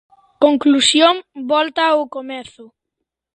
Conclusión Volta ao comezo.